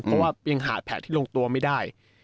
เพราะว่ายังหาแผนที่ลงตัวไม่ได้